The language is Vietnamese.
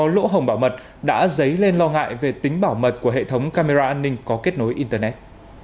lỗ hồng bảo mật đã dấy lên lo ngại về tính bảo mật của hệ thống camera an ninh có kết nối internet